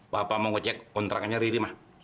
papa mau ngecek kontraknya riri ma